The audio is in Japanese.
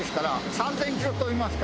３０００キロ飛ぶんですか？